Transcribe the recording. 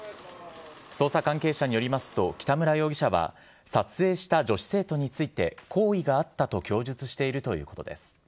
捜査関係者によりますと、北村容疑者は、撮影した女子生徒について、好意があったと供述しているということです。